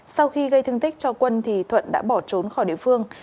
sau khi gây thương tích cho quân thì thuận đã bỏ trốn khỏi địa phương